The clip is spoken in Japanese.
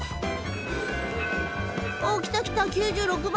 おきたきた９６番。